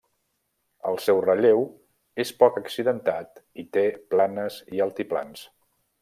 El seu relleu és poc accidentat i té planes i altiplans.